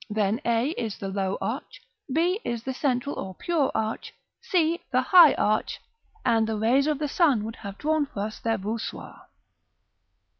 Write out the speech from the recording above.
Then a is the low arch, b the central or pure arch, c the high arch, and the rays of the sun would have drawn for us their voussoirs.